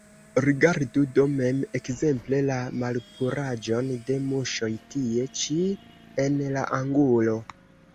Rigardu do mem ekzemple la malpuraĵon de muŝoj tie ĉi en la angulo.